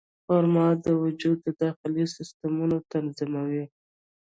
خرما د وجود د داخلي سیستمونو تنظیموي.